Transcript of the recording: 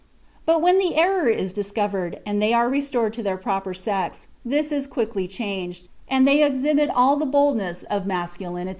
But when the error is discovered, and they are restored to their proper sex, this is quickly changed, and they exhibit all the boldness of masculinity.